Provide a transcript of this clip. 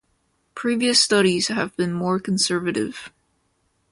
Previous studies have been more conservative.